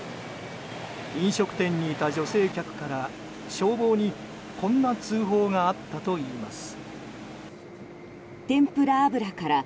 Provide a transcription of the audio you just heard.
飲食店にいた女性客から消防にこんな通報があったといいます。